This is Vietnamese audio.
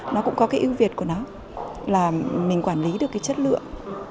nó cũng có cái ưu việt của nó là mình quản lý được cái chất lượng